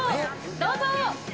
どうぞ。